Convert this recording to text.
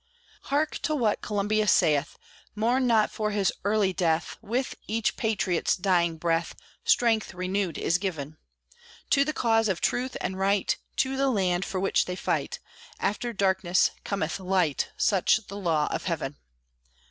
Hark to what Columbia saith: "Mourn not for his early death, With each patriot's dying breath Strength renewed is given To the cause of truth and right, To the land for which they fight. After darkness cometh light, Such the law of Heaven."